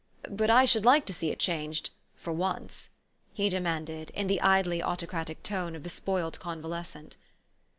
But I should like to see it changed for once," he demanded, in the idly autocratic tone of the spoiled convalescent.